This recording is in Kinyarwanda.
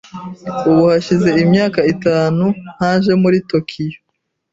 Ubu hashize imyaka itanu ntaje muri Tokiyo.